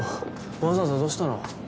わざわざどうしたの？